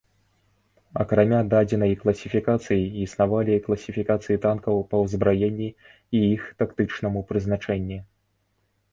Акрамя дадзенай класіфікацыі існавалі класіфікацыі танкаў па ўзбраенні і іх тактычнаму прызначэнні.